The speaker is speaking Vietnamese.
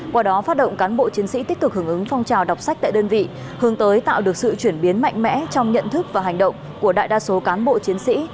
qua đó phát động cán bộ chiến sĩ tích cực hưởng ứng phong trào đọc sách tại đơn vị hướng tới tạo được sự chuyển biến mạnh mẽ trong nhận thức và hành động của đại đa số cán bộ chiến sĩ